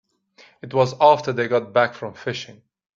It was after they got back from fishing.